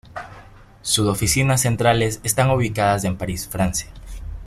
Sus oficinas centrales están ubicadas en París, Francia.